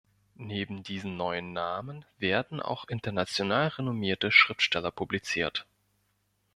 Neben diesen neuen Namen werden aber auch international renommierte Schriftsteller publiziert.